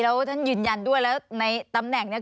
แล้วท่านยืนยันด้วยแล้วในตำแหน่งเนี่ย